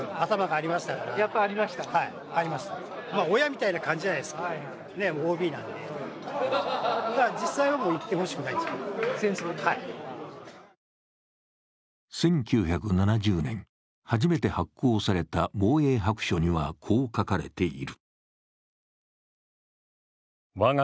ただ、元隊員からはこんな声も１９７０年、初めて発行された防衛白書にはこう書かれている。